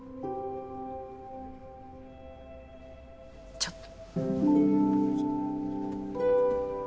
ちょっと。